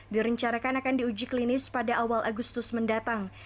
direncanakan akan diuji klinis pada awal agustus mendatang